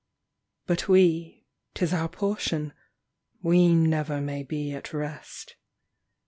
But we, 'tis our portion, We never may be at rest.